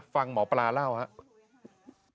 ฟังหมอปลาเล่าครับ